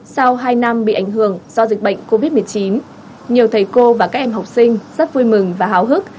sau hai năm bị ảnh hưởng do dịch bệnh covid một mươi chín nhiều thầy cô và các em học sinh rất vui mừng và háo hức